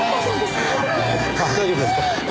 大丈夫ですか？